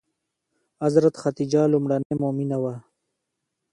حضرت خدیجه لومړنۍ مومنه وه.